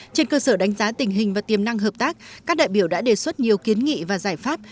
trên cơ sở đánh giá tình hình và tiềm năng hợp tác các đại biểu đã đề xuất nhiều kiến nghị và giải pháp